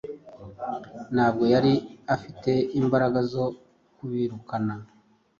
ntabwo yari afite imbaraga zo kubirukana